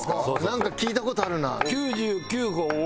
なんか聞いた事あるな。